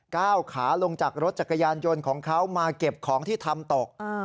ก้าวขาลงจากรถจักรยานยนต์ของเขามาเก็บของที่ทำตก